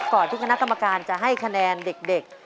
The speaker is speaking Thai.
ที่คณะกรรมการจะให้คะแนนเด็ก